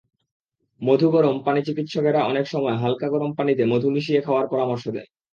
মধু-গরম পানিচিকিৎসকেরা অনেক সময় হালকা গরম পানিতে মধু মিশিয়ে খাওয়ার পরামর্শ দেন।